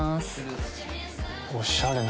おしゃれ。